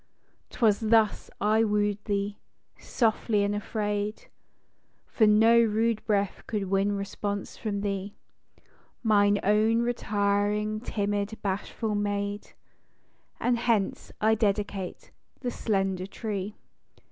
'Twas thus I woo'd thee â softly and afraid : For no rude breath could win response from thee, Mine own retiring, timid, bashful maid ; And hence I dedicate the slender tree TO MARY.